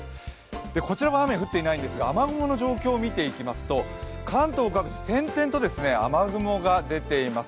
こちらは雨降っていないんですが雨雲の状況を見ていきますと関東各地、点々と雨雲が出ています。